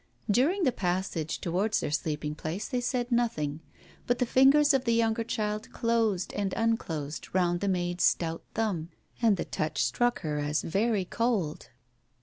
During the passage towards their sleeping place they said nothing, but the fingers of the younger child closed and unclosed round the maid's stout thumb, and the touch struck her as very cold.